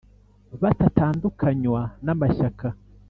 batatandukanywa n amashyaka